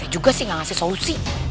juga sih gak ngasih solusi